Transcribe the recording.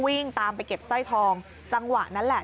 วิ่งตามไปเก็บสร้อยทองจังหวะนั้นแหละ